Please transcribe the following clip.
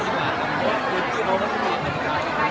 การรับความรักมันเป็นอย่างไร